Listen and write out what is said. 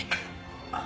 あっ。